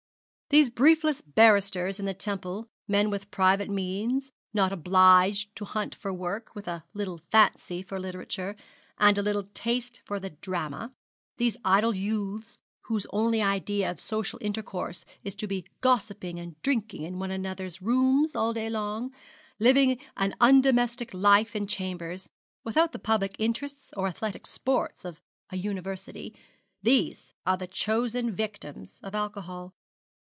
These briefless barristers in the Temple men with private means, not obliged to hunt for work, with a little fancy for literature, and a little taste for the drama these idle youths, whose only idea of social intercourse is to be gossiping and drinking in one another's rooms all day long, living an undomestic life in chambers, without the public interests or athletic sports of a university these are the chosen victims of alcohol.